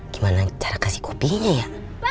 gimana cara kasih kopinya ya